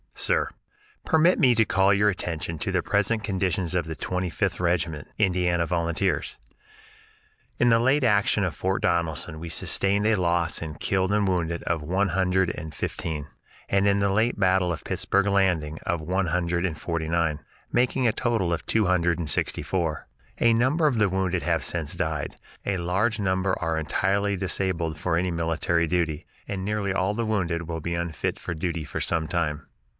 Sir: Permit me to call your attention to the present condition of the Twenty fifth Regiment, Indiana Volunteers. In the late action at Fort Donelson we sustained a loss in killed and wounded of one hundred and fifteen, and in the late battle of Pittsburg Landing of one hundred and forty nine, making a total of two hundred and sixty four. A number of the wounded have since died; a large number are entirely disabled for any military duty, and nearly all of the wounded will be unfit for duty for some time.